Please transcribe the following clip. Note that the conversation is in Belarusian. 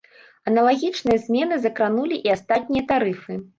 Аналагічныя змены закранулі і астатнія тарыфы.